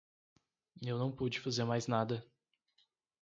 Eu não pude fazer mais nada.